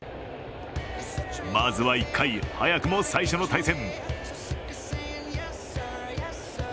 まずは１回、早くも最初の対戦。